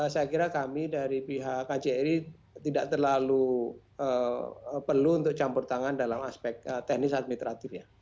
saya kira kami dari pihak kjri tidak terlalu perlu untuk campur tangan dalam aspek teknis administratif ya